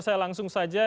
saya langsung selamatkan